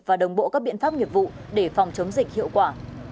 và đồng bộ các biện pháp nghiệp vụ để phòng chống dịch hiệu quả